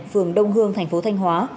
phường đông hương thành phố thanh hóa